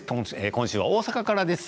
今週は大阪からです。